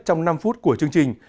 trong năm phút của chương trình